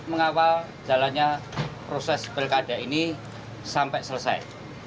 untuk mengawal jalannya proses belkada ini sampai selesai